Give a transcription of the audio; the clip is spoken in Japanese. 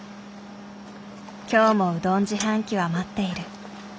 今日もうどん自販機は待っている。